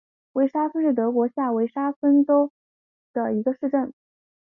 维沙芬是德国下萨克森州的一个市镇。